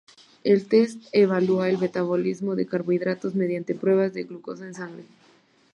El test evalúa el metabolismo de carbohidratos mediante pruebas de glucosa en sangre.